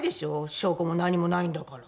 証拠も何もないんだから。